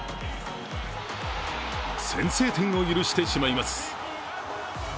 先制点を許してしまいます。